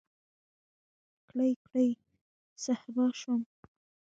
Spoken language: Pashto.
کړۍ، کړۍ صهبا شوم